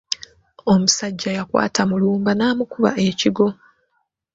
Omusajja yakwata Mulumba n’amukuba ekigwo.